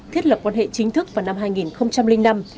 thiết lập quan hệ chính thức vào năm hai nghìn năm